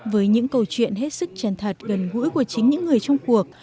với những câu chuyện hết sức chân thật gần gũi của chính những người trong cuộc